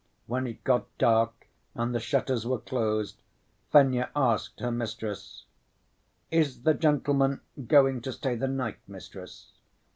When it got dark and the shutters were closed, Fenya asked her mistress: "Is the gentleman going to stay the night, mistress?"